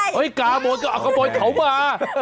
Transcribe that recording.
อะไรกาโมยก็เอากาโมยเขามา